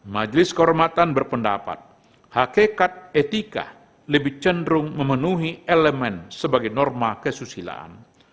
majelis kehormatan berpendapat hakikat etika lebih cenderung memenuhi elemen sebagai norma kesusilaan